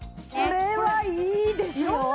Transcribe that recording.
これはいいですよ！